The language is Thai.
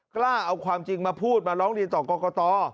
กล้าเอาความจริงมาพูดมาร้องเรียนต่อกรกต